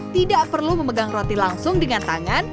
tidak perlu memegang roti langsung dengan tangan